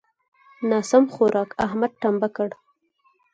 ناسم خوارک؛ احمد ټمبه کړ.